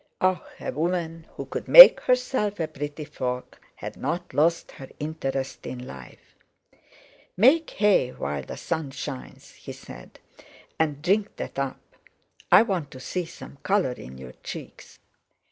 Ah! A woman who could make herself a pretty frock had not lost her interest in life. "Make hay while the sun shines," he said; "and drink that up. I want to see some colour in your cheeks.